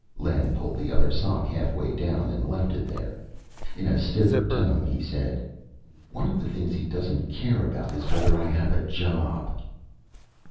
Len pulled the other sock halfway down and left it there. In a stiffer tone, he said, "One of the things he doesn't care about is whether I have a job."